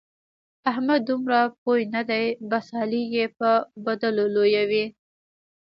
احمد دومره پوه نه دی؛ بس علي يې به بدلو لويوي.